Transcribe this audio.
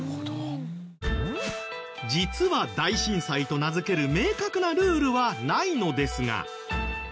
実は大震災と名付ける明確なルールはないのですが。